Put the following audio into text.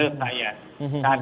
apakah awal februari